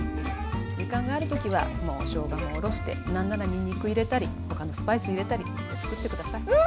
時間がある時はもうしょうがもおろして何ならにんにく入れたり他のスパイス入れたりして作って下さい。